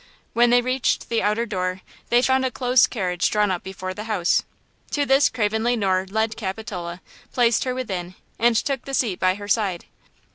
When they reached the outer door they found a close carriage drawn up before the house. To this Craven Le Noir led Capitola, placed her within and took the seat by her side.